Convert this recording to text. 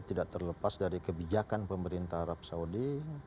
tidak terlepas dari kebijakan pemerintah arab saudi